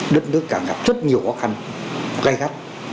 đất nước càng gặp rất nhiều khó khăn gây gắt